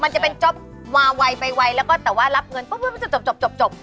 มันจะเป็นจบมาไวไปแล้วก็แต่ว่ารับเงินปุ๊บจบ